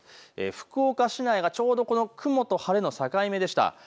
福岡市内がちょうど雲と晴れの境目でした。